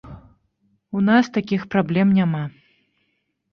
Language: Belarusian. У нас такіх праблем няма.